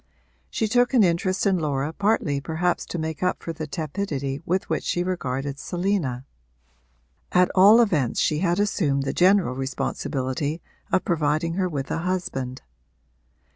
She took an interest in Laura partly perhaps to make up for the tepidity with which she regarded Selina. At all events she had assumed the general responsibility of providing her with a husband.